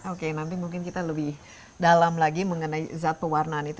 oke nanti mungkin kita lebih dalam lagi mengenai zat pewarnaan itu